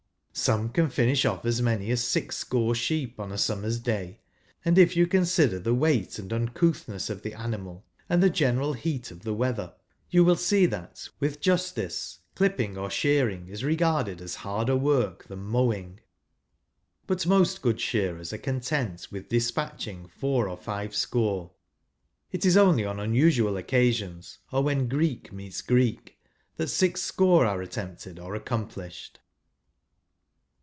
Some can finish off as many as six score sheep in a summer's day ; and if you consider the weight and uncouthness of the animal, and the general heat of the weather, you will see that, with justice, clipping or shearing is regarded as harder work than mowing. But most good shearers are content with despatching four or five score ; it is only on unusual occasions, or when Greek meets Greek, that six score are attempted or accomplished.